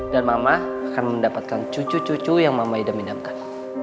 dan mama akan mendapatkan cucu cucu yang mama idam idamkan